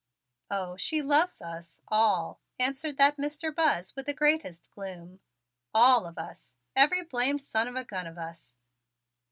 "Oh, she loves us all," answered that Mr. Buzz with the greatest gloom. "All of us every blamed son of a gun of us."